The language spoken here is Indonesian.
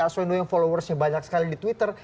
aswendo yang followersnya banyak sekali di twitter